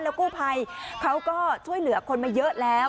กู้ภัยเขาก็ช่วยเหลือคนมาเยอะแล้ว